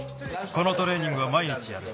このトレーニングはまいにちやる。